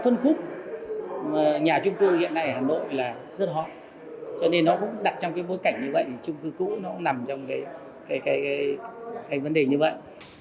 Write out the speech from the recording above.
cho nên nó cũng đặt trong cái bối cảnh như vậy trung cư cũ nó cũng nằm trong cái vấn đề như vậy